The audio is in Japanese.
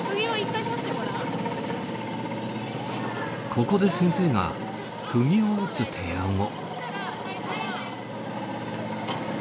ここで先生がくぎを打つ提案を。